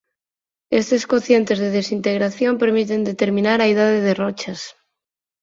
Estes cocientes de desintegración permiten determinar a idade de rochas.